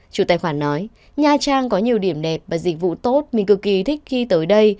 chủ tài khoản nói nha trang có nhiều điểm đẹp và dịch vụ tốt mình cực kỳ thích khi tới đây